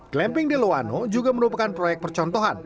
glamping de loano juga merupakan proyek percontohan